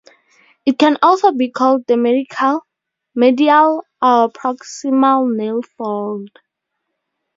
It can also be called the medial or proximal nail fold.